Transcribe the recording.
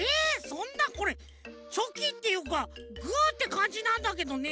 そんなこれチョキっていうかグーってかんじなんだけどね。